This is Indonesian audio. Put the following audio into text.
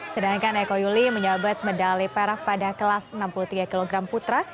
sedangkan eko yuli menyabet medali perak pada kelas enam puluh tiga kg putra